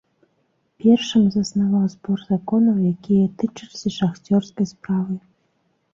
Першым заснаваў збор законаў, якія тычыліся шахцёрскай справы.